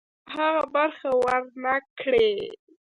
هغه برخه ورنه کړي.